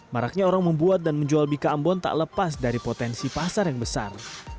maraknya orang membuat dan menjual bika ambon tak lepas dari potensi pasar yang besar